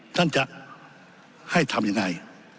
ท่านจะให้ทำยังไง